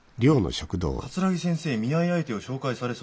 「桂木先生見合い相手を紹介されそうになる。